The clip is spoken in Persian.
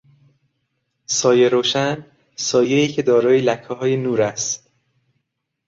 سایه روشن، سایهای که دارای لکههای نور است